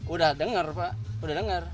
udah dengar pak udah dengar